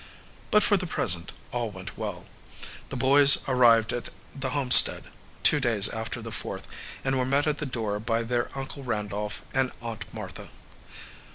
But for the present all went well. The boys arrived at the homestead two days after the Fourth and were met at the door by their Uncle Randolph and Aunt Martha.